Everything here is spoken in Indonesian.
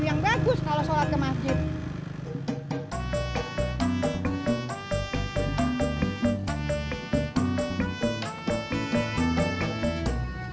yang bagus kalau sholat ke masjid